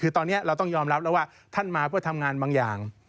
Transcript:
คือตอนนี้เราต้องยอมรับแล้วว่าท่านมาเพื่อทำงานบางอย่าง